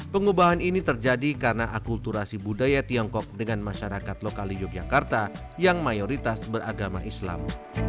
pengubahan ini terjadi karena akulturasi budaya tiongkok dengan masyarakat lokal di yogyakarta yang mayoritas beragama islam